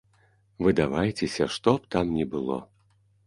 Выдавайцеся, што б там ні было.